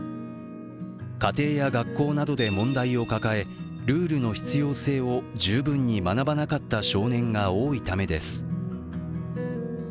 家庭や学校などで問題を抱えルールの必要性を十分に学ばなかった少年が多いためです。